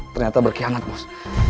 ternyata berkianat bos